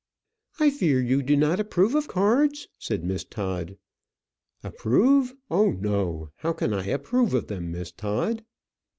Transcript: "I fear you do not approve of cards?" said Miss Todd. "Approve! oh no, how can I approve of them, Miss Todd?"